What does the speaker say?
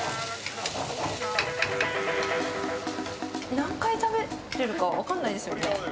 何回、食べてるか分かんないですよね。